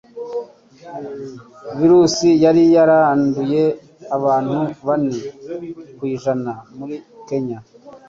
virusi yari yaranduye abantu bane ku ijana muri Kenya